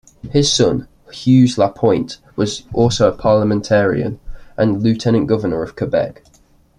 His son, Hugues Lapointe, was also a parliamentarian and Lieutenant Governor of Quebec.